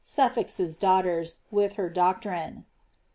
Suffolk's daughters, with her doctrine."